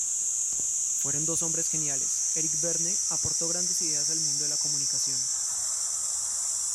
Fueron dos hombres geniales, Eric Berne aportó grandes ideas al mundo de la comunicación.